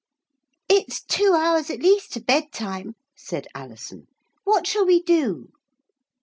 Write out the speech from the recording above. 'It's two hours at least to bedtime,' said Alison. 'What shall we do?'